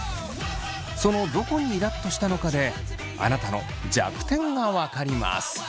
そのどこにイラっとしたのかであなたの弱点が分かります。